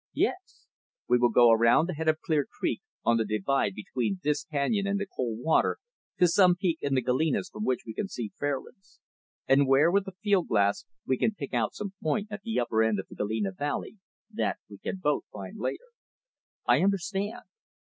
"Yes." "We will go around the head of Clear Creek, on the divide between this canyon and the Cold Water, to some peak in the Galenas from which we can see Fairlands; and where, with the field glass, we can pick out some point at the upper end of Galena Valley, that we can both find later." "I understand."